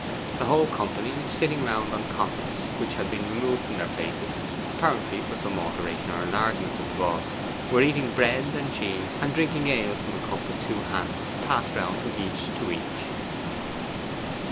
The whole company, sitting round on coffins which had been removed from their places, apparently for some alteration or enlargement of the vault, were eating bread and cheese, and drinking ale from a cup with two handles, passed round from each to each.